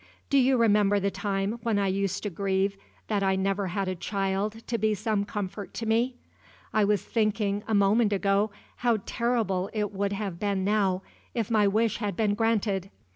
Do you remember the time when I used to grieve that I had never had a child to be some comfort to me? I was thinking, a moment ago, how terrible it would have been now, if my wish had been granted.